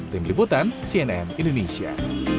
tim liputan cnn indonesia